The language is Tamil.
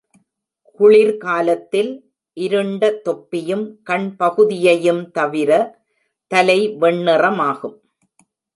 குளிர் காலத்தில், இருண்ட தொப்பியும் கண் பகுதியையும் தவிர தலை வெண்ணிறமாகும்.